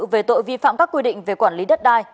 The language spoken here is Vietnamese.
về tội vi phạm các quy định về quản lý đất đai